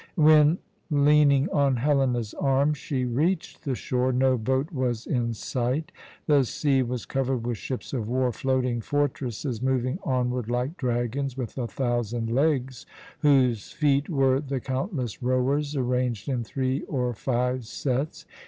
When, leaning on Helena's arm, she reached the shore, no boat was in sight. The sea was covered with ships of war, floating fortresses, moving onward like dragons with a thousand legs whose feet were the countless rowers arranged in three or five sets.